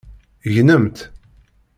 Gnemt!